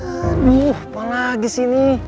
aduh apa lagi sih ini